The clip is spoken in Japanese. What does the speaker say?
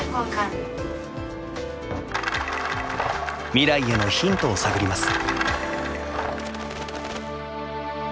未来へのヒントを探ります。